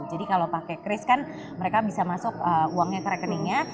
jadi kalau pakai cris kan mereka bisa masuk uangnya ke rekeningnya